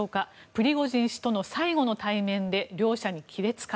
プリゴジン氏との最後の対面で両者に亀裂か。